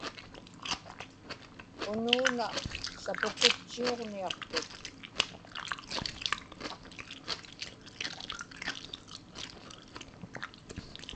unuuna sapukutchiuġniaqtut